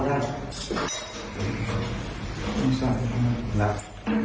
ร้อนเดิมแรงกันครับ